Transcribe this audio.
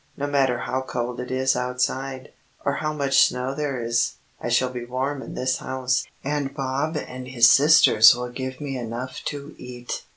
"No matter how cold it is outside, or how much snow there is, I shall be warm in this house, and Bob and his sisters will give me enough to eat.